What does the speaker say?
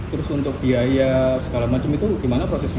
terus untuk biaya segala macam itu gimana prosesnya